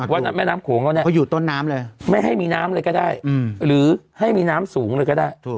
ว่าแม่น้ำโขงเราเนี่ยไม่ให้มีน้ำเลยก็ได้หรือให้มีน้ำสูงเลยก็ได้